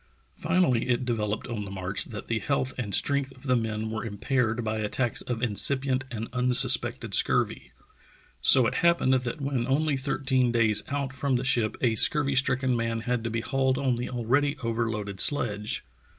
Finally it developed on the march that the health and strength of the men were impaired by attacks of incipient and unsuspected scurvy. So it happened that when only thirteen days out from the ship a scurvy stricken man had to be hauled on the alread}^ overloaded sledge.